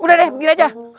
udah deh begini aja